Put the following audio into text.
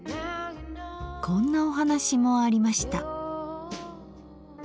こんなお話もありました。